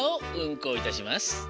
こういたします。